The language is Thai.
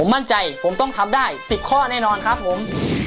มั่นใจผมต้องทำได้๑๐ข้อแน่นอนครับผม